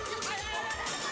kau yang ngapain